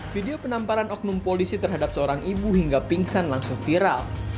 video penamparan oknum polisi terhadap seorang ibu hingga pingsan langsung viral